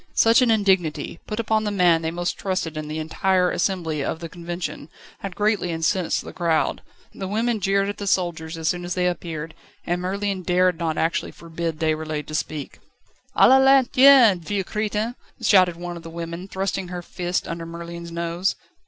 Such an indignity, put upon the man they most trusted in the entire assembly of the Convention, had greatly incensed the crowd. The women jeered at the soldiers as soon as they appeared, and Merlin dared not actually forbid Déroulède to speak. "A la lanterne, vieux crétin!" shouted one of the women, thrusting her fist under Merlin's nose.